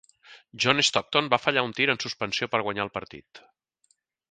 John Stockton va fallar un tir en suspensió per guanyar el partit.